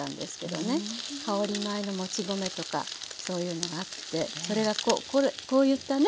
香り米のもち米とかそういうのがあってそれがこういったね